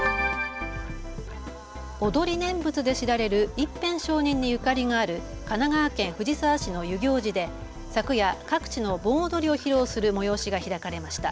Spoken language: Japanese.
踊り念仏で知られる一遍上人にゆかりがある神奈川県藤沢市の遊行寺で昨夜、各地の盆踊りを披露する催しが開かれました。